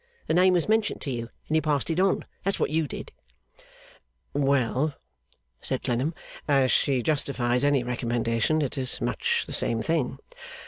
The name was mentioned to you, and you passed it on. That's what you did.' 'Well!' said Clennam. 'As she justifies any recommendation, it is much the same thing.